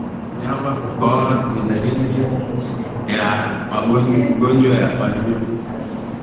Mnyama kukohoa ni dalili nyingine ya ugonjwa wa minyoo